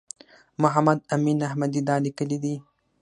محمد امین احمدي دا لیکلي دي.